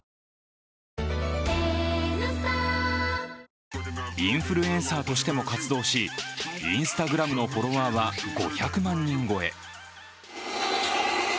香りに驚くアサヒの「颯」インフルエンサーとしても活動し、Ｉｎｓｔａｇｒａｍのフォロワーは５００万人超え。